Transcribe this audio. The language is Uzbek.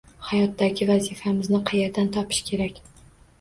Hayotdagi vazifamizni qayerdan topish kerak